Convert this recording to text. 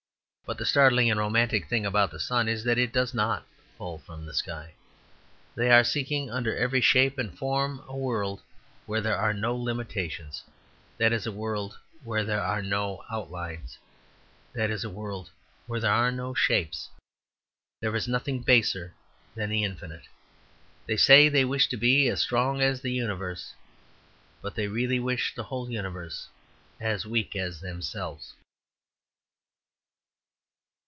But the startling and romantic thing about the sun is that it does not fall from the sky. They are seeking under every shape and form a world where there are no limitations that is, a world where there are no outlines; that is, a world where there are no shapes. There is nothing baser than that infinity. They say they wish to be, as strong as the universe, but they really wish the whole universe as weak as themselves.